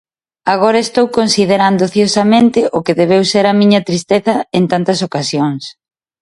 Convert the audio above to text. Agora estou considerando ociosamente o que debeu ser a miña tristeza en tantas ocasións.